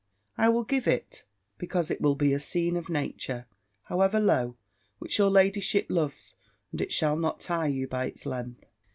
I will give it, because it will be a scene of nature, however low, which your ladyship loves, and it shall not tire you by its length.